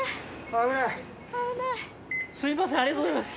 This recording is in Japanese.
すみませんありがとうございます。